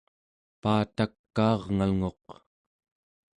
paatakaarngalnguq